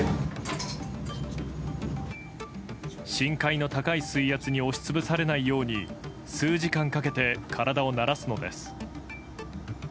深海の高い水圧に押し潰されないように数時間かけて体を慣らすのです。